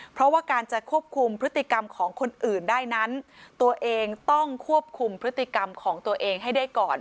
เพราะว่าการจะควบคุมพฤติกรรมของคนอื่นได้นั้นตัวเองต้องควบคุมพฤติกรรมของตัวเองให้ได้ก่อน